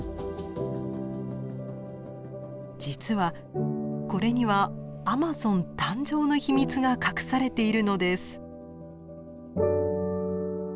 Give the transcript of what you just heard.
実はこれにはアマゾン誕生の秘密が隠されているのです。